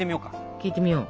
聞いてみよう。